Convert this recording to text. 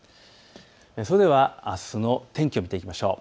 それではあすの天気を見ていきましょう。